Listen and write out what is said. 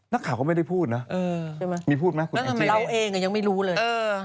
นักข่าวก็ไม่ได้พูดเนอะมีพูดมั้ยคุณแข่งจิเลส